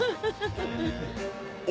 お！